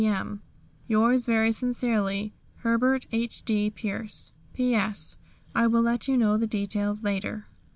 m. "Yours very sincerely, "HERBERT H.D. PIERCE. "P.S. I will let you know the details later."